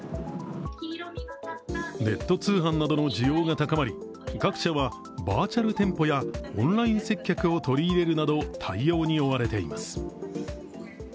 ネット通販などの需要が高まり、各社はバーチャル店舗やオンライン接客を取り入れるなど、対応に追われています。